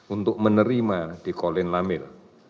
untuk menerima di kolin lamil